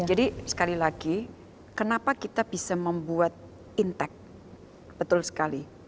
jadi sekali lagi kenapa kita bisa membuat intek betul sekali